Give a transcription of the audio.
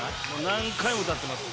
何回も歌ってます